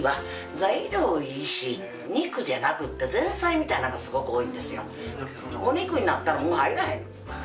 肉じゃなくて前菜みたいなのがすごく多いんですよ。